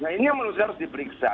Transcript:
nah ini harus diperiksa